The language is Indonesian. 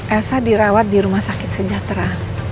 elsa dirawat di rumah sakit sejahtera